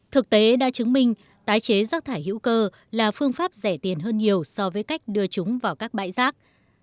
thực tế đã chứng minh tái chế rác thải hữu cơ là phương pháp rẻ tiền hơn nhiều so với cách đưa chúng vào các bãi rác